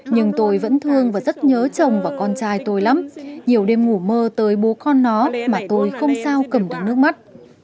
nhưng tôi vẫn thương và rất nhớ chồng và con trai tôi lắm nhiều đêm ngủ mơ tới bố con nó mà tôi không sao cầm được nước mắt